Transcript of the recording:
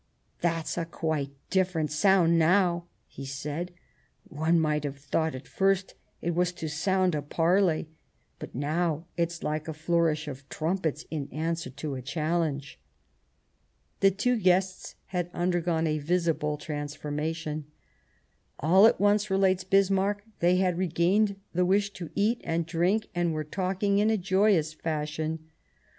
That's a quite different sound now," he said ;" one might have thought at first it was to sound a parley ; but now it's like a flourish of trumpets in answer to a challenge." The two guests had undergone a visible trans formation. " All at once," relates Bismarck, " they had re gained the wish to eat and drink and were talking in a joyous fashion.